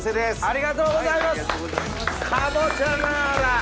ありがとうございます！